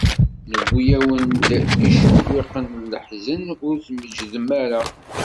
Newwi-awen-d icewwiqen n leḥzen, ur tmeǧǧdem ara.